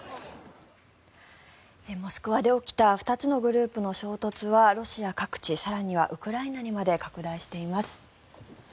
モスクワで起きた２つのグループの衝突はロシア各地、更にはウクライナにまで拡大しています。